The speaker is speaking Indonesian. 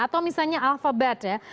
atau misalnya alphabet ya